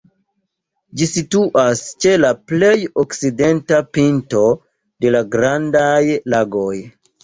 Ĝi situas ĉe la plej okcidenta pinto de la Grandaj Lagoj.